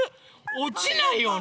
おちないよね。